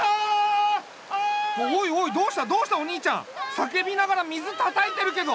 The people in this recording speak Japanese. さけびながら水たたいてるけど。